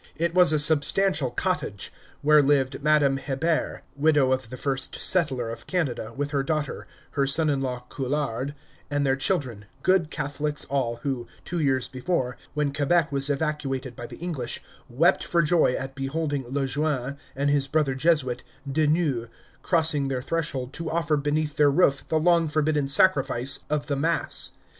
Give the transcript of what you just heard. It was a substantial cottage, where lived Madame Hébert, widow of the first settler of Canada, with her daughter, her son in law Couillard, and their children, good Catholics all, who, two years before, when Quebec was evacuated by the English, wept for joy at beholding Le Jeune, and his brother Jesuit, De Nouë, crossing their threshold to offer beneath their roof the long forbidden sacrifice of the Mass.